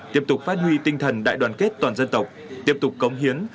tiếp tục phát huy tinh thần đại đoàn kết toàn dân tộc tiếp tục cống hiến